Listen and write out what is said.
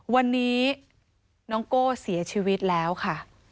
วันนี้น้องโก้เสียชีวิตแล้วค่ะ